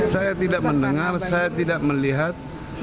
saya tidak mendengar saya tidak melihat